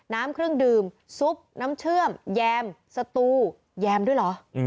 น้ำเครื่องดื่มซุปน้ำเชื่อมแยมสตูแยมด้วยเหรอ